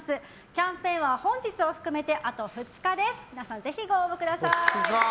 キャンペーンは本日を含めてあと２日です。